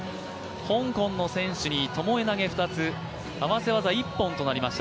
香港の選手にともえ投げ２つ、合わせ技一本となりました。